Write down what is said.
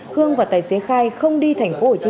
hương và tài xế khai không đi tp hcm mà chỉ đến huyện châu